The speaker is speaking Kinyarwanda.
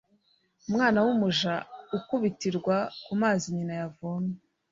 umwana w'umuja ukubitirwa ku mazi nyina yavomye